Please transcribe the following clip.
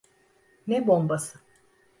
Ne bombası?